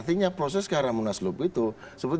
artinya proses ke arah munaslup itu sudah jalan